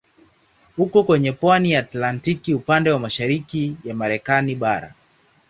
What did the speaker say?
Uko kwenye pwani ya Atlantiki upande wa mashariki ya Marekani bara.